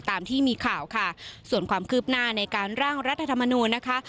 ตามที่มีข่าวค่ะส่วนความคืบหน้าในการร่างรัฐธรรมนูญนะคะ